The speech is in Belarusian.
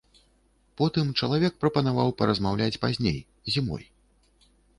Потым чалавек прапанаваў паразмаўляць пазней, зімой.